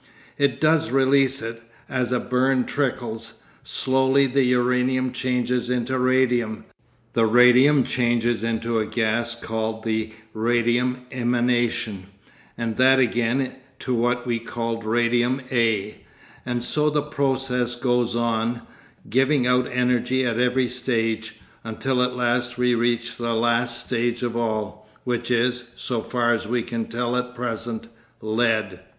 It does release it, as a burn trickles. Slowly the uranium changes into radium, the radium changes into a gas called the radium emanation, and that again to what we call radium A, and so the process goes on, giving out energy at every stage, until at last we reach the last stage of all, which is, so far as we can tell at present, lead.